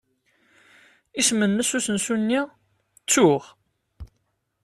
Isem-nnes usensu-nni? Ttuɣ.